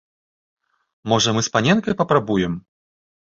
Можа, мы з паненкай папрабуем?